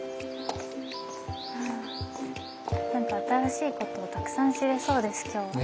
何か新しいことをたくさん知れそうです今日は。